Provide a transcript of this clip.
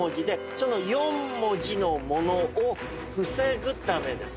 その４文字のものを防ぐためです。